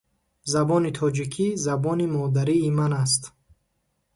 Забони тоҷикӣ забони модарии ман аст.